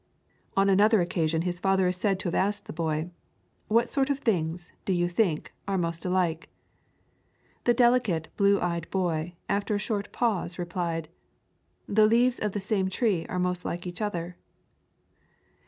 On another occasion his father is said to have asked the boy, 'What sort of things, do you think, are most alike?' The delicate, blue eyed boy, after a short pause, replied, 'The leaves of the same tree are most like each other.'